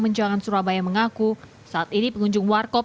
menjelang surabaya mengaku saat ini pengunjung wargop